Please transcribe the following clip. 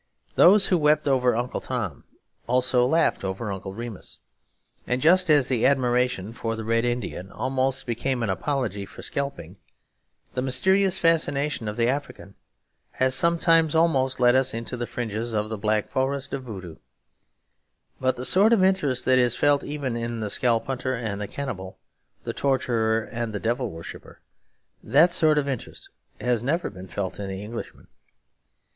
Those who wept over Uncle Tom also laughed over Uncle Remus. And just as the admiration for the Redskin almost became an apology for scalping, the mysterious fascination of the African has sometimes almost led us into the fringes of the black forest of Voodoo. But the sort of interest that is felt even in the scalp hunter and the cannibal, the torturer and the devil worshipper, that sort of interest has never been felt in the Englishman.